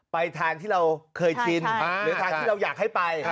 ไปทานที่เราเคยชินหรือทานที่เราอยากให้ไป